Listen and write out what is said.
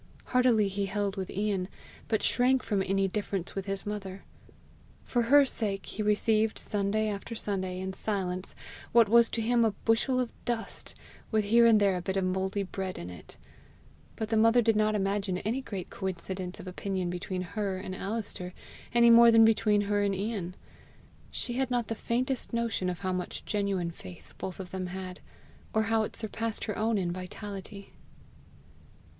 Heartily he held with Ian, but shrank from any difference with his mother. For her sake he received Sunday after Sunday in silence what was to him a bushel of dust with here and there a bit of mouldy bread in it; but the mother did not imagine any great coincidence of opinion between her and Alister any more than between her and Ian. She had not the faintest notion how much genuine faith both of them had, or how it surpassed her own in vitality.